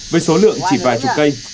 với số lượng chỉ vài chục cây